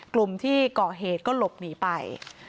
กลุ่มที่เกาะเหตุก็หลบหนีไป